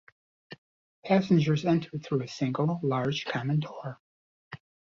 Passengers entered through a single, large, common door.